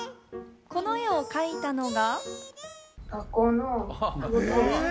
この絵を描いたのが。